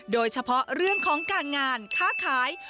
โดยเฉพาะเรื่องของการงานค้าขาย